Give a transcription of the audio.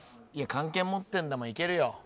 漢検持ってるんだもんいけるよ